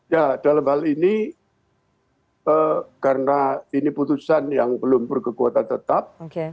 ya dalam hal ini karena ini putusan yang belum berkekuatan tetap